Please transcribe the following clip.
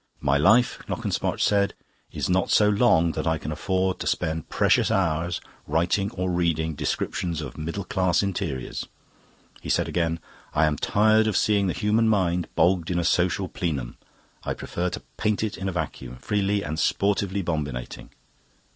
My life, Knockespotch said, is not so long that I can afford to spend precious hours writing or reading descriptions of middle class interiors. He said again, 'I am tired of seeing the human mind bogged in a social plenum; I prefer to paint it in a vacuum, freely and sportively bombinating.